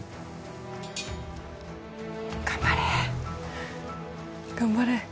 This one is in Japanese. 頑張れ頑張れ。